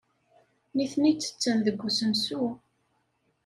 Nitni ttetten deg usensu.